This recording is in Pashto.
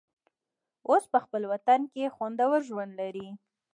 اوس په خپل وطن کې خوندور ژوند لري.